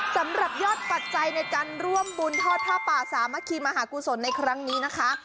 สำหรับยอดปัจจัยในการร่วมบุญทอดผ้าป่าสามัคคีมหากุศลในครั้งนี้นะคะ